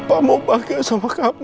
papa mau bahagia sama kamu